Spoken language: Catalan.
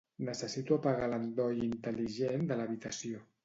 Necessito apagar l'endoll intel·ligent de l'habitació.